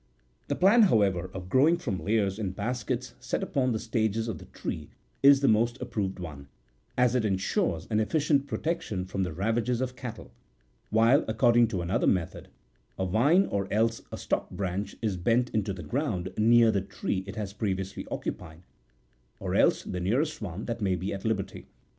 The plan, however, of growing from layers in baskets set upon the stages58 of the tree is the most approved one, as it ensures an efficient protection from the ravages of cattle ; while, accord ing to another method, a vine or else a stock branch is bent into the ground near the tree it has previously occupied, or else the nearest one that may be at liberty.